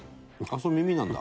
それ耳なんだ。